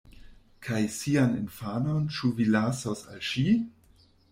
Kaj sian infanon ĉu vi lasos al ŝi?